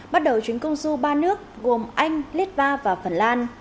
bắt đầu chuyến công du ba nước gồm anh litva và phần lan